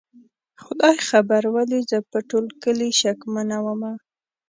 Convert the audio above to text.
خدای خبر ولې زه په ټول کلي شکمنه ومه؟